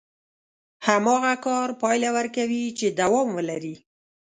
هماغه کار پايله ورکوي چې دوام ولري.